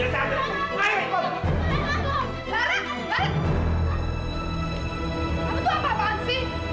kamu itu apaan sih